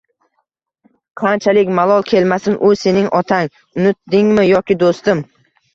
Qanchalik malol kelmasin, u sening otang, unutdingmi yoki do'stim